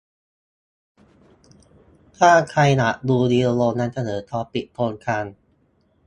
ถ้าใครอยากดูวิดีโอนำเสนอตอนปิดโครงการ